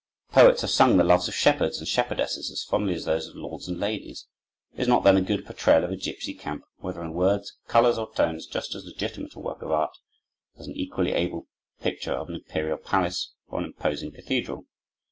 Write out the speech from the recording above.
Poets have sung the loves of shepherds and shepherdesses as fondly as those of lords and ladies. Is not, then, a good portrayal of a gipsy camp, whether in words, colors, or tones, just as legitimate a work of art as an equally able picture of an imperial palace, or an imposing cathedral?